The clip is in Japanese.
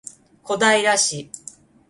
小平市